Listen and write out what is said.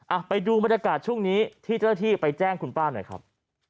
ไปดูบรรยากาศช่วงนี้ที่เจ้าหน้าที่ไปแจ้งคุณป้าหน่อยครับ